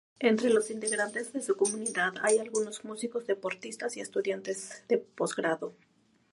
Entre los integrantes de su comunidad hay algunos músicos, deportistas y estudiantes de posgrado.